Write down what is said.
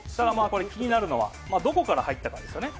気になるのは、どこから入ったかですよね。